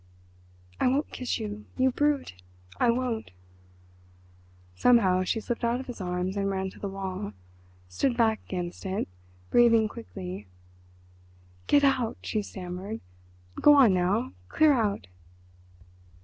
"I won't kiss you!—you brute!—I won't!" Somehow she slipped out of his arms and ran to the wall—stood back against it—breathing quickly. "Get out!" she stammered. "Go on now, clear out!"